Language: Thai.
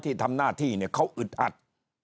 ที่ทำหน้าที่เนี่ยเขาอึดอัด